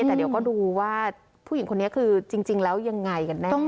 แต่เดี๋ยวก็ดูว่าผู้หญิงคนนี้คือจริงแล้วยังไงกันแน่